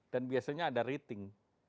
dan biasanya ada rating